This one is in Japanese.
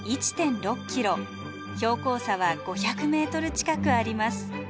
標高差は５００ｍ近くあります。